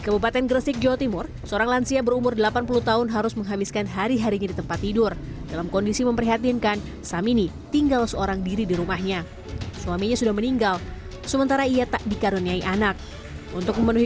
kepala desa sendiri tidak mempermasalahkan apa yang dilakukan sumadi